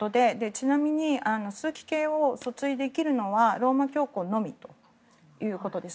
ちなみに枢機卿を訴追できるのはローマ教皇のみということです。